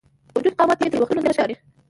د وجود قامت یې تر وختونو زیات ښکاري.